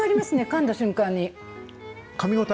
かんだ瞬間に。